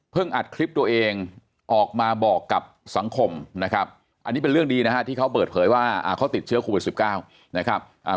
อัดคลิปตัวเองออกมาบอกกับสังคมนะครับอันนี้เป็นเรื่องดีนะฮะที่เขาเปิดเผยว่าเขาติดเชื้อโควิด๑๙นะครับ